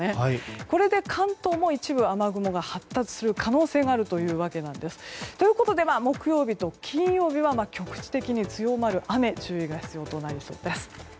これで関東も一部、雨雲が発達する可能性があるというわけなんです。ということで木曜日と金曜日は局地的に降る雨に注意が必要となりそうです。